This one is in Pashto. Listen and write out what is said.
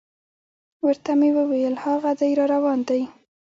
ورته مې وویل: هاغه دی را روان دی.